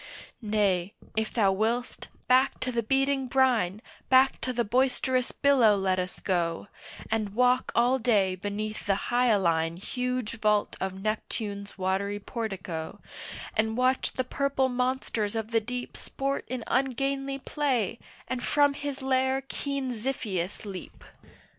Nay if thou will'st, back to the beating brine, Back to the boisterous billow let us go, And walk all day beneath the hyaline Huge vault of Neptune's watery portico, And watch the purple monsters of the deep Sport in ungainly play, and from his lair keen Xiphias leap.